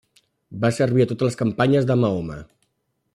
Va servir a totes les campanyes de Mahoma.